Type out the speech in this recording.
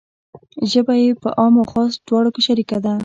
ژبه یې په عام و خاص دواړو کې شریکه ده.